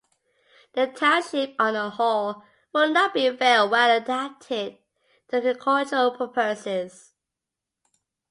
The Township on the whole would not be very well adapted to agricultural purposes.